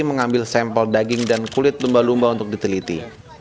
mengambil sampel daging dan kulit lumba lumba untuk diteliti